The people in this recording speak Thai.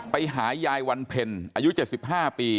ไปหายายวันเพ็ญอายุ๗๕ปี